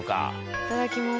いただきます。